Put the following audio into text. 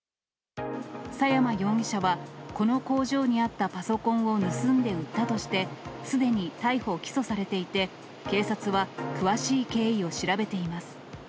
佐山容疑者はこの工場にあったパソコンを盗んで売ったとしてすでに逮捕・起訴されていて、警察は詳しい経緯を調べています。